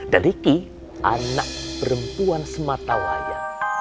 dan ini anak perempuan sematawaya